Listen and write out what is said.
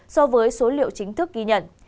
so với số liệu chính thức ghi nhận